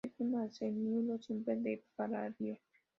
Es un arseniuro simple de paladio.